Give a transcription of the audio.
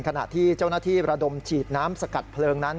ขณะที่เจ้าหน้าที่ระดมฉีดน้ำสกัดเพลิงนั้น